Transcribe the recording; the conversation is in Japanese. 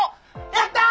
やった！